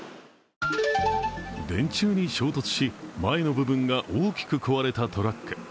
電柱に衝突し、前の部分が大きく壊れたトラック。